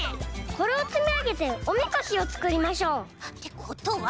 これをつみあげておみこしをつくりましょう。ってことは。